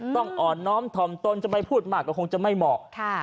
ต้องอ่อนน้อมถ่อมตนจะไปพูดมากก็คงจะไม่เหมาะ